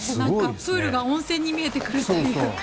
プールが温泉に見えてくるというか。